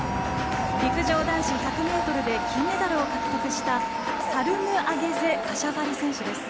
陸上男子１００ｍで金メダルを獲得したサルムアゲゼ・カシャファリ選手です。